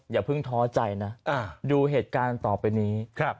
อย่าเพิ่งท้อใจนะดูเหตุการณ์ต่อไปนี้